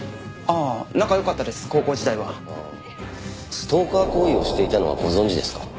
ストーカー行為をしていたのはご存じですか？